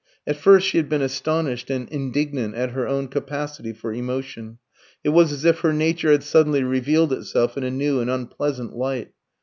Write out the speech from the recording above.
At first she had been astonished and indignant at her own capacity for emotion; it was as if her nature had suddenly revealed itself in a new and unpleasant light.